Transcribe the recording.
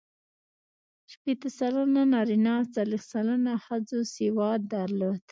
شپېته سلنه نارینه او څلوېښت سلنه ښځو سواد درلود.